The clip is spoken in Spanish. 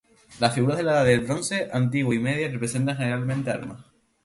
Las figuras de la Edad del Bronce antigua y media representan generalmente armas.